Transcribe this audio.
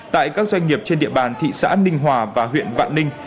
tại các doanh nghiệp trên địa bàn thị xã ninh hòa và huyện vạn ninh